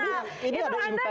itu ada ratusan kapal